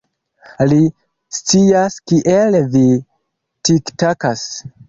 Li scias kiel vi tiktakas.